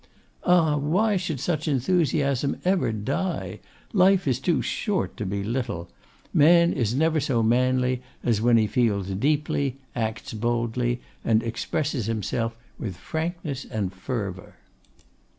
Ah! why should such enthusiasm ever die! Life is too short to be little. Man is never so manly as when he feels deeply, acts boldly, and expresses himself with frankness and with fervour.